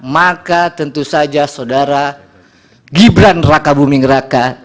maka tentu saja saudara gibran raka buming raka